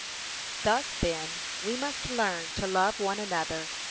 Thus then we must learn to love one another.